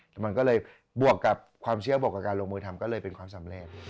แต่มันก็เลยบวกกับความเชื่อบวกกับการลงมือทำก็เลยเป็นความสำเร็จ